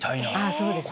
そうですね。